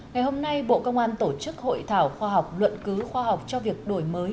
ngày hôm nay bộ công an tổ chức hội thảo khoa học luận cứu khoa học cho việc đổi mới